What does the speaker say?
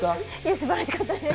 すばらしかったです。